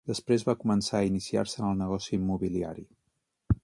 Després va començar a iniciar-se en el negoci immobiliari.